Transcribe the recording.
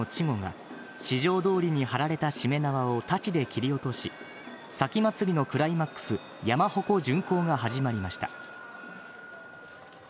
今朝、先頭をゆく長刀鉾の稚児が四条通に張られたしめ縄を太刀で切り落とし、前祭のクライマックス、山鉾巡行が始まりました。